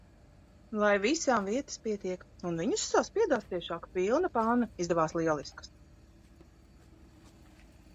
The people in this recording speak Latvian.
Lai visām vietas pietiek! Un viņas saspiedās ciešāk, pilna panna. Izdevās lieliskas.